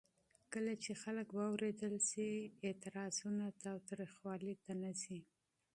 کله چې خلک واورېدل شي، اعتراضونه تاوتریخوالي ته نه ځي.